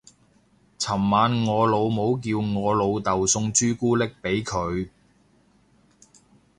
尋晚我老母叫我老竇送朱古力俾佢